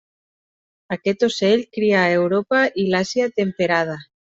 Aquest ocell cria a Europa i l'Àsia temperada.